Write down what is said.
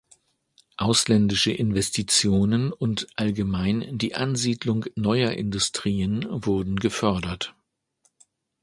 Ausländische Investitionen und allgemein die Ansiedlung neuer Industrien wurden gefördert.